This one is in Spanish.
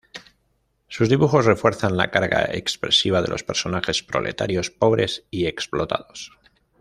Sus dibujos refuerzan la carga expresiva de los personajes proletarios, pobres y explotados.